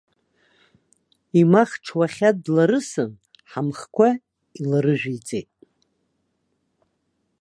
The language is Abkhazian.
Имахҽ уахьад дларысын, ҳамхқәа иларыжәиҵеит.